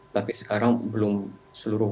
tapi sekarang belum seluruh